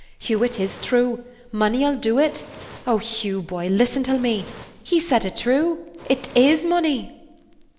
"Hugh, it is true! Money ull do it! Oh, Hugh, boy, listen till me! He said it true! It is money!"